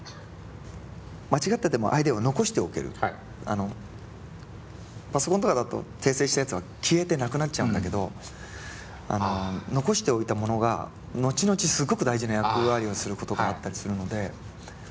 あのパソコンとかだと訂正したやつは消えてなくなっちゃうんだけどあの残しておいたものが後々すごく大事な役割をすることがあったりするので。